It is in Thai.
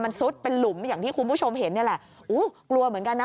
มันซุดเป็นหลุมอย่างที่คุณผู้ชมเห็นนี่แหละอู้กลัวเหมือนกันนะ